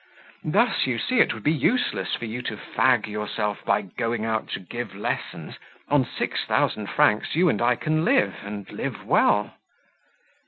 Thus you see it would be useless for you to fag yourself by going out to give lessons; on six thousand francs you and I can live, and live well."